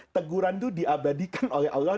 teguran itu diabadikan oleh allah